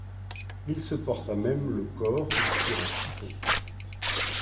Il se porte à même le corps ou sur un chiton.